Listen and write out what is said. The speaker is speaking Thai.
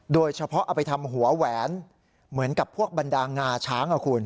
โดยเฉพาะเอาไปทำหัวแหวนเหมือนกับพวกบรรดางาช้าง